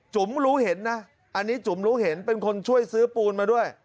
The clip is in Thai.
รู้เห็นนะอันนี้จุ๋มรู้เห็นเป็นคนช่วยซื้อปูนมาด้วย